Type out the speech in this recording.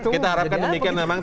kita harapkan demikian memang